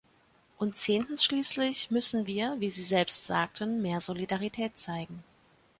Und zehntens schließlich müssen wir, wie Sie selbst sagten, mehr Solidarität zeigen.